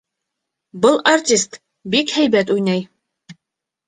Был артист бик һәйбәт уйнай.